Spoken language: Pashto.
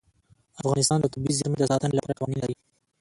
افغانستان د طبیعي زیرمې د ساتنې لپاره قوانین لري.